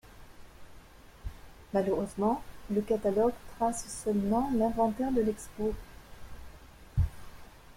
Malheureusement, le catalogue trace seulement l'inventaire de l'expo.